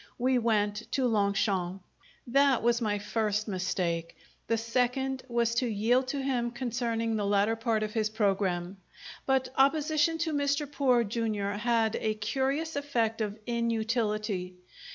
We went to Longchamps. That was my first mistake; the second was to yield to him concerning the latter part of his programme; but opposition to Mr. Poor, Jr. had a curious effect of inutility.